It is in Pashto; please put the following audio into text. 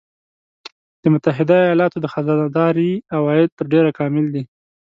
د متحده ایالاتو د خزانه داری عواید تر ډېره کامل دي